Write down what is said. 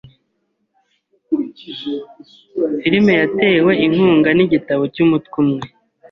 Filime yatewe inkunga nigitabo cyumutwe umwe.